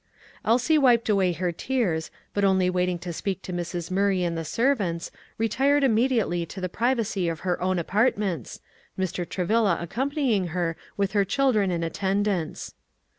Elsie wiped away her tears, but only waiting to speak to Mrs. Murray and the servants, retired immediately to the privacy of her own apartments, Mr. Travilla accompanying her with their children and attendants.